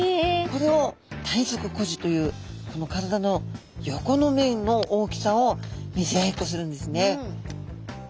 これを体側誇示という体の横の面の大きさを見せ合いっこするんですね。